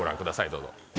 どうぞ。